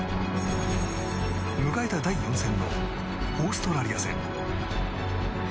迎えた第４戦のオーストラリア戦。